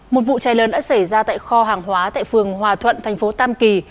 một vụ cháy lớn đã xảy ra tại kho hàng hóa tại phường hòa thuận thành phố tam kỳ